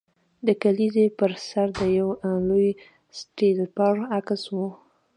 د کلیزې پر سر د یو لوی سټیپلر عکس و